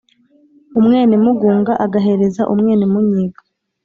umwénemugunga agahereza umwénemúnyiga